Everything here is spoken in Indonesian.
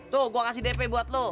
tuh gua kasih dp buat lu